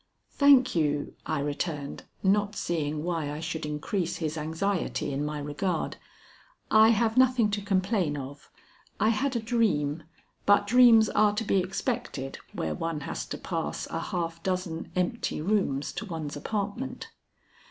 "Thank you," I returned, not seeing why I should increase his anxiety in my regard. "I have nothing to complain of. I had a dream; but dreams are to be expected where one has to pass a half dozen empty rooms to one's apartment."